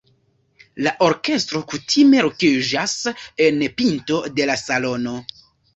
La orkestro kutime lokiĝas en pinto de la salono.